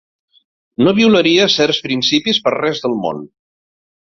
No violaria certs principis per res del món.